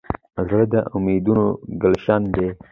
زړه د امیدونو ګلشن دی.